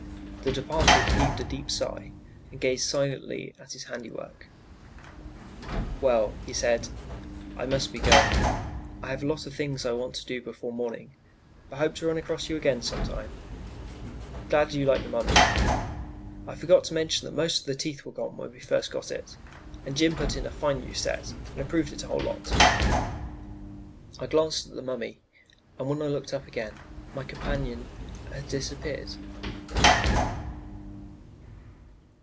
The departed heaved a deep sigh, and gazed silently at his handiwork. "Well," he said, "I must be going; I have a lot of things I want to do before morning, but hope to run across you sometime again. Glad you like the mummy. I forgot to mention that most of the teeth were gone when we first got it, and Jim put in a fine new set, and improved it a whole lot." I glanced at the mummy, and when I looked up again, my companion had disappeared.